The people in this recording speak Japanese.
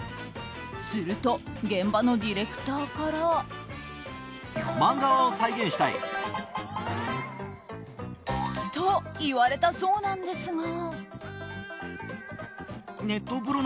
すると現場のディレクターから。と言われたそうなんですが。